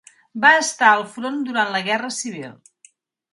Va estar el front durant la guerra civil.